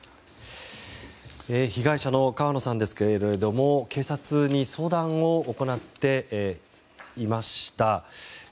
被害者の川野さんですが警察に相談を行っていました。